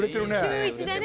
週１でね。